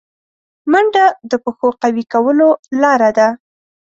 منډه د پښو قوي کولو لاره ده